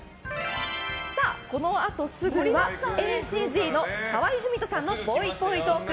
このあとすぐはＡ．Ｂ．Ｃ‐Ｚの河合郁人さんのぽいぽいトーク。